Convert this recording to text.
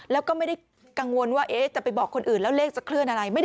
แล้วก็ไม่ได้กังวลว่าจะไปบอกคนอื่นแล้วเลขจะเคลื่อนอะไร